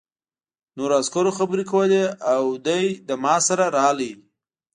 نورو عسکرو خبرې کولې او دی له ما سره راغی